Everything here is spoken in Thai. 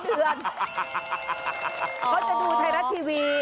เขาจะดูไทยรัฐทีวี